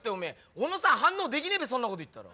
小野さん反応できねえべそんなこと言ったら。